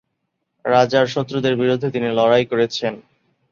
রাজার শত্রুদের বিরুদ্ধে তিনি লড়াই করেছেন।